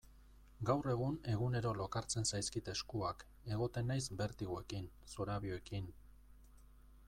Gaur egun egunero lokartzen zaizkit eskuak, egoten naiz bertigoekin, zorabioekin...